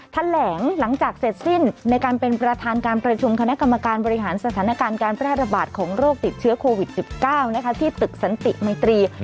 แถลงหลังจากเสร็จสิ้นในการเป็นประธานการประชุมคณะกรรมการบริหารสถานการณ์การแพร่ระบาดของโรคติดเชื้อโควิด๑๙ที่ตึกสันติมัยตรี